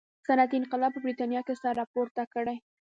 صنعتي انقلاب په برېټانیا کې سر راپورته کړي.